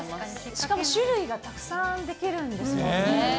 しかも種類がたくさんできるんですよね。